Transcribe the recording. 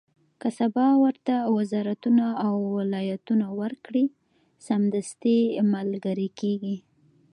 که سبا ورته وزارتونه او ولایتونه ورکړي، سمدستي ملګري کېږي.